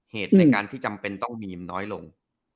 เหตุในการที่จำเป็นต้องมีมันน้อยลง